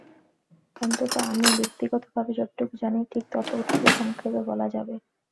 অন্তত আমি ব্যক্তিগতভাবে যতটুকু জানি ঠিক ততটুকুই সংক্ষেপে বলে যাব।